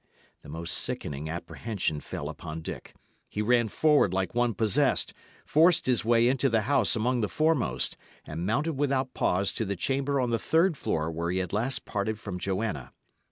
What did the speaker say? The most sickening apprehension fell upon Dick. He ran forward like one possessed, forced his way into the house among the foremost, and mounted without pause to the chamber on the third floor where he had last parted from Joanna.